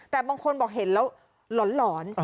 แต่บางคนบอกเห็นแล้วหลอน